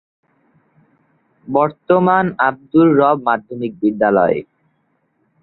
বর্তমান আব্দুর রব মাধ্যমিক বিদ্যালয়ে।